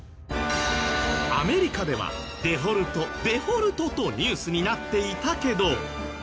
アメリカではデフォルトデフォルトとニュースになっていたけど。